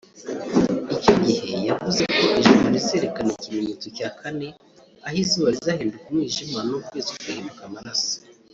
Icyo giye yavuze ko ijuru rizerekana ikimenyetso cya kane aho izuba rizahinduka umwijima n’ukwezi kugahinduka amaraso